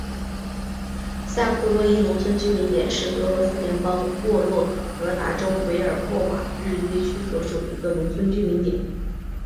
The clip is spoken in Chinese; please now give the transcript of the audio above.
下库洛伊农村居民点是俄罗斯联邦沃洛格达州韦尔霍瓦日耶区所属的一个农村居民点。